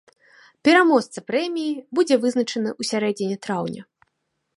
Пераможца прэміі будзе вызначаны ў сярэдзіне траўня.